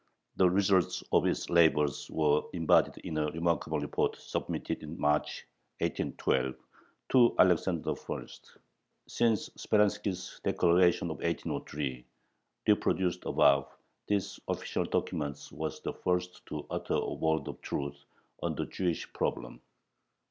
The results of its labors were embodied in a remarkable report submitted in March, 1812, to Alexander I. Since Speranski's declaration of 1803, reproduced above, this official document was the first to utter a word of truth on the Jewish problem.